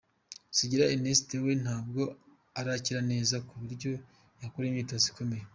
Sugira Ernest we ntabwo arakira neza ku buryo yakora imyitozo ikomeye.